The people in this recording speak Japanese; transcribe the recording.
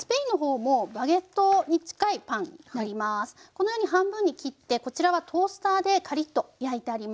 このように半分に切ってこちらはトースターでカリッと焼いてあります。